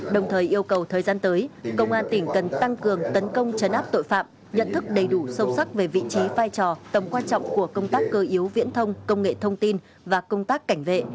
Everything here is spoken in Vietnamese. đồng thời yêu cầu thời gian tới công an tỉnh cần tăng cường tấn công chấn áp tội phạm nhận thức đầy đủ sâu sắc về vị trí vai trò tầm quan trọng của công tác cơ yếu viễn thông công nghệ thông tin và công tác cảnh vệ